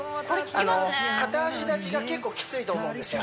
あの片足立ちが結構きついと思うんですよ